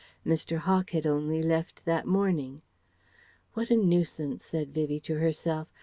Mr. Hawk had only left that morning. "What a nuisance," said Vivie to herself.